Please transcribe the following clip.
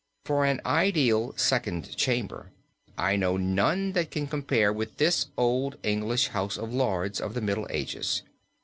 For an ideal second chamber I know none that can compare with this old English House of Lords of the Middle Ages.